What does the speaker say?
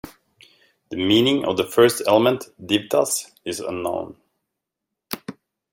The meaning of the first element "divtas" is unknown.